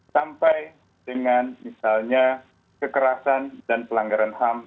sampai dengan misalnya kekerasan dan pelanggaran ham